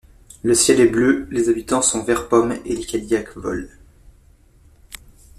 Le ciel est bleu, les habitants sont vert pomme et les Cadillacs volent.